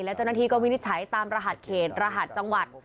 และเจ้าหน้าที่ก็วินิจฉัยตามรหัสเขตรหัสจังหวัด